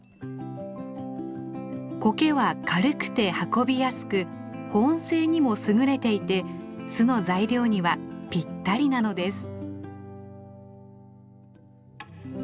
コケは軽くて運びやすく保温性にも優れていて巣の材料にはぴったりなのです。